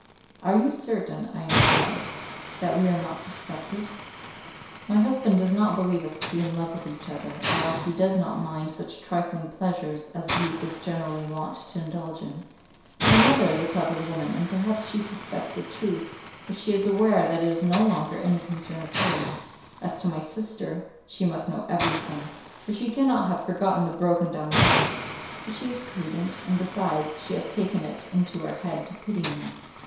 "Are you certain," I enquired, "that we are not suspected?" "My husband does not believe us to be in love with each other, or else he does not mind such trifling pleasures as youth is generally wont to indulge in. My mother is a clever woman, and perhaps she suspects the truth, but she is aware that it is no longer any concern of hers. As to my sister, she must know everything, for she cannot have forgotten the broken down bed; but she is prudent, and besides, she has taken it into her head to pity me.